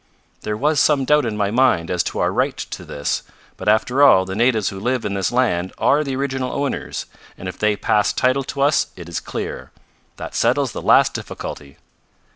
"There was some doubt in my mind as to our right to this, but after all, the natives who live in this land are the original owners, and if they pass title to us it is clear. That settles the last difficulty."